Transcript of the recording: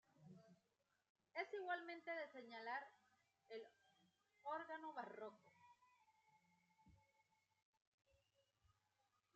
Es igualmente de señalar el órgano barroco.